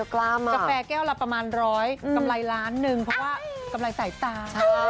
กาแฟแก้วละประมาณร้อยกำไรล้านหนึ่งเพราะว่ากำไรสายตา